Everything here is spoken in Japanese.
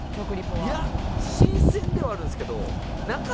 いや新鮮ではあるんですけど。